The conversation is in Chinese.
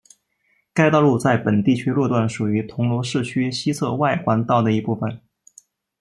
该道路在本地区路段属于铜锣市区西侧外环道的一部分。